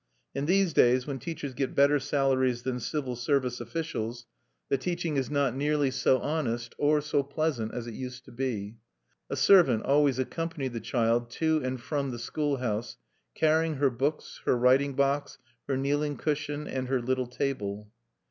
In these days when teachers get better salaries than civil service officials, the teaching is not nearly so honest or so pleasant as it used to be. A servant always accompanied the child to and from the school house, carrying her books, her writing box, her kneeling cushion, and her little table.